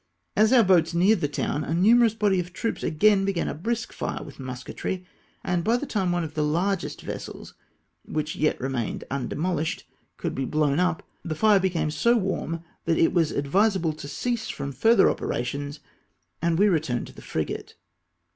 As our boats neared the town, a numerous body of troops again began a brisk fire with musketry ; and by the time one of the largest vessels, which yet remained undemohshed, could be blown up, the fire became so warm that it was advisable to cease from further opera tions, and we returned to the frigate.